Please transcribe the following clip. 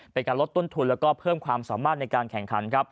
เป็นการลดต้นทุนแล้วก็เพิ่มความสามารถในการแข่งขัน